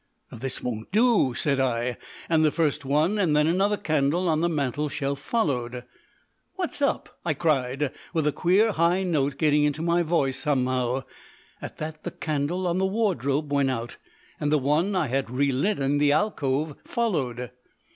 "This won't do!" said I, and first one and then another candle on the mantelshelf followed. "What's up?" I cried, with a queer high note getting into my voice somehow. At that the candle on the wardrobe went out, and the one I had relit in the alcove followed.